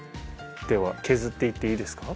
では削っていっていいですか？